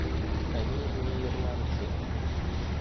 Они не ирландцы.